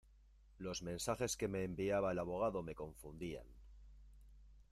Los mensajes que me enviaba el abogado me confundían.